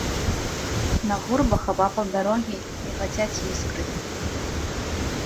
На гурбах абапал дарогі мігацяць іскры.